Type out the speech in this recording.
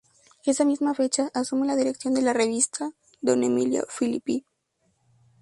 Esa misma fecha, asume la dirección de la revista, don Emilio Filippi.